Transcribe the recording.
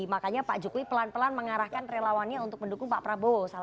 makanya pak jokowi pelan pelan mengarahkan relawannya untuk mendukung pak prabowo